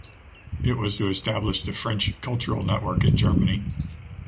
It was to establish the French cultural network in Germany.